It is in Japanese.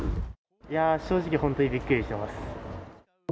いやー、正直、本当にびっくりしてます。